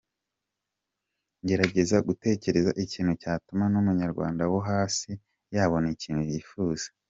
Ngerageza gutekereza ikintu cyatuma n’Umunyarwanda wo hasi yabona ikintu yifuza.